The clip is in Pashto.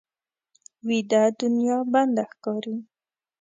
ویده دنیا بنده ښکاري